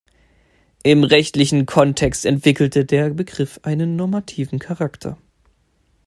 Im rechtlichen Kontext entwickelte der Begriff einen normativen Charakter.